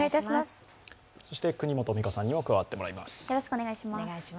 そして國本未華さんにも加わってもらいます。